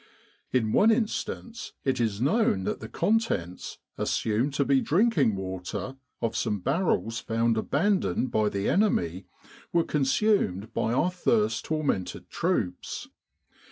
In one instance it is known that the contents, assumed to be drinking water, of some barrels found abandoned by the enemy, were consumed by our thirst tormented troops.